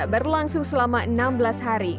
berlangsung selama enam belas hari